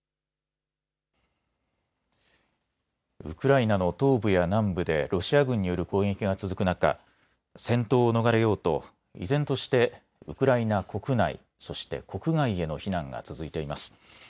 ウクライナの東部や南部でロシア軍による攻撃が続く中、戦闘を逃れようと依然としてウクライナ国内、そして国外への避難が続いています。